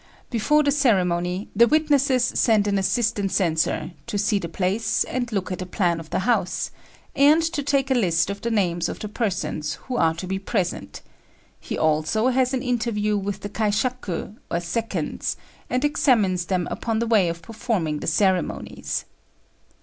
Before the ceremony, the witnesses send an assistant censor to see the place, and look at a plan of the house, and to take a list of the names of the persons who are to be present; he also has an interview with the kaishaku, or seconds, and examines them upon the way of performing the ceremonies.